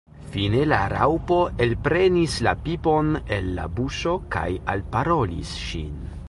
Fine la Raŭpo elprenis la pipon el la buŝo kaj alparolis ŝin.